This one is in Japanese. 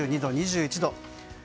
２２度、２１度。